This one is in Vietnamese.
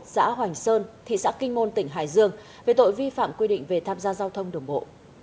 xã hoành sơn thị xã kinh môn tỉnh hải dương về tội vi phạm quy định về tham gia giao thông đường bộ